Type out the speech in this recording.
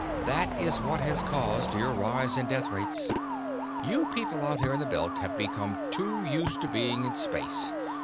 That is what has caused your rise in death rates. You people out here in the Belt have become too used to being in space.